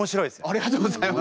ありがとうございます。